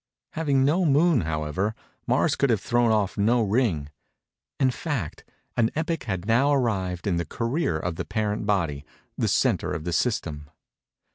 Having no moon, however, Mars could have thrown off no ring. In fact, an epoch had now arrived in the career of the parent body, the centre of the system.